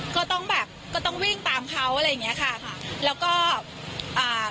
ก็ต้องแบบก็ต้องวิ่งตามเขาอะไรอย่างเงี้ยค่ะค่ะแล้วก็อ่า